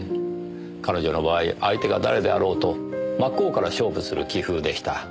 彼女の場合相手が誰であろうと真っ向から勝負する棋風でした。